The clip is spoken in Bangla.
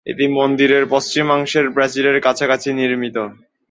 এটি মন্দিরের পশ্চিমাংশের প্রাচীরের কাছাকাছি নির্মিত।